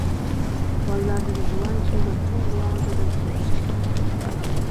بالىلاردىن «بوۋاڭ كىمدۇر؟ چوڭ بوۋاڭچۇ؟ .» دەپ سورىشاتتى.